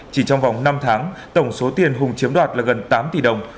chỉ trong vòng năm tháng tổng số tiền hùng chiếm đoạt là gần tám tỷ đồng